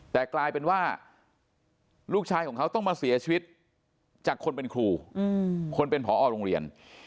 แต่กลายเป็นว่าลูกชายของเขาต้องมาเสียชีวิตจากคนเป็นครูคนเป็นผอโรงเรียน